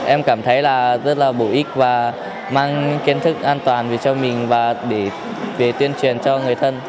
em cảm thấy là rất là bổ ích và mang kiến thức an toàn về cho mình và để tuyên truyền cho người thân